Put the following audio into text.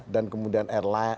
dan kemudian lion air